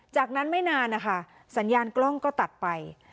จากนั้นไม่นานนะคะสัญญาณกล้องก็ตัดไป